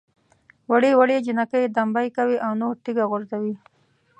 وړې وړې جنکۍ دمبۍ کوي او نور تیږه غورځوي.